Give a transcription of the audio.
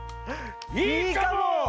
いいかも！